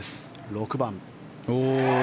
６番。